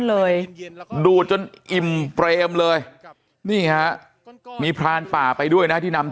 เลยดูดจนอิ่มเปรมเลยนี่ฮะมีพรานป่าไปด้วยนะที่นำ